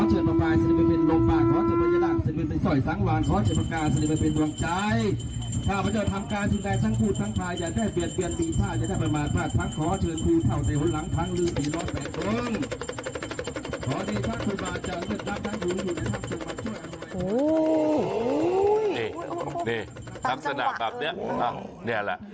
โห้นี่นี่ทักสนามแบบเนี้ยอ้าวเนี้ยแหละ